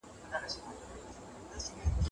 سياستوال بايد د خپلو ژمنو په وړاندي صادق وي.